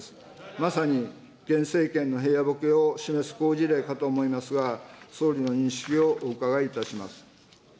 まさに現政権の平和ボケを示す好事例かと思いますが、総理の認識をお伺いいたします。